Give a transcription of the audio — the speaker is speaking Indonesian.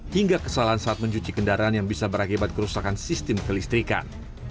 hingga kesalahan saat mencuci kendaraan yang bisa berakibat kerusakan sistem kelistrikan